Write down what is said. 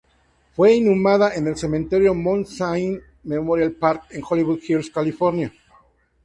Fue inhumada en el Cementerio Mount Sinai Memorial Park en Hollywood Hills, California.